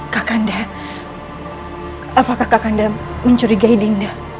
kakanda apakah kakanda mencurigai dinda